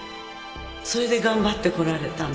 それで頑張ってこられたの